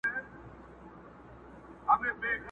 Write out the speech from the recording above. سړي وویل ستا ورور صدراعظم دئ٫